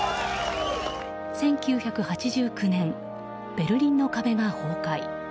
１９８９年、ベルリンの壁が崩壊。